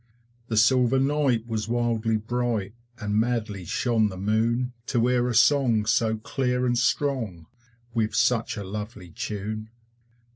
The silver night was wildly bright, And madly shone the Moon To hear a song so clear and strong, With such a lovely tune.